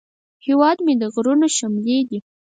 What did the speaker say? هیواد مې د غرونو شملې دي